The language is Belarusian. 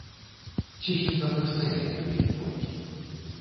Ціхенька прастаялі хвілін колькі.